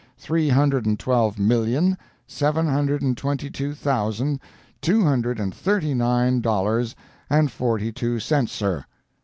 Three hundred and twelve million, seven hundred and twenty two thousand, two hundred and thirty nine dollars and forty two cents, sir.